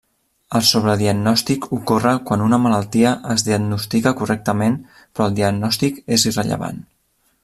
El sobrediagnòstic ocorre quan una malaltia es diagnostica correctament, però el diagnòstic és irrellevant.